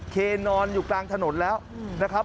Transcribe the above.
เคนนอนอยู่กลางถนนแล้วนะครับ